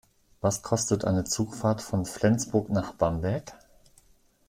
Was kostet eine Zugfahrt von Flensburg nach Bamberg?